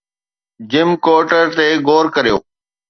جم ڪورٽر تي غور ڪريو